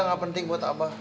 nggak penting buat abah